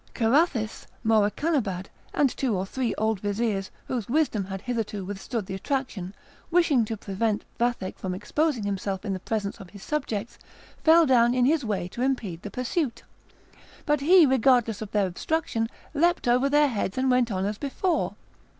Carathis, Morakanabad, and two or three old vizirs, whose wisdom had hitherto withstood the attraction, wishing to prevent Vathek from exposing himself in the presence of his subjects, fell down in his way to impede the pursuit; but he, regardless of their obstruction, leaped over their heads, and went on as before.